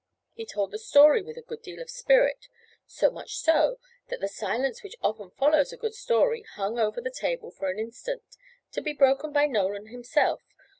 He told the story with a good deal of spirit so much so, that the silence which often follows a good story hung over the table for an instant, to be broken by Nolan himself.